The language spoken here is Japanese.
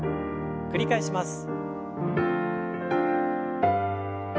繰り返します。